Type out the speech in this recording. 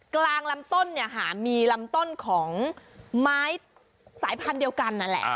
กลางลำต้นเนี่ยค่ะมีลำต้นของไม้สายพันธุ์เดียวกันนั่นแหละ